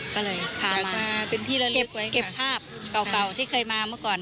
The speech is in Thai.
ก็เลยพามาเก็บภาพเก่าที่เคยมาเมื่อก่อน